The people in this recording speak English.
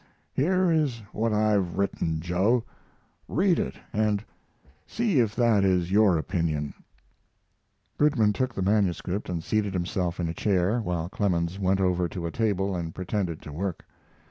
Here is what I have written, Joe. Read it, and see if that is your opinion." Goodman took the manuscript and seated himself in a chair, while Clemens went over to a table and pretended to work.